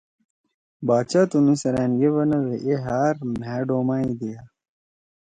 باچا تنُو سیرأن کے بندُو اے ہار مھأ ڈوما یے دیا۔